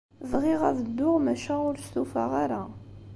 Bɣiɣ ad dduɣ, maca ur stufaɣ ara.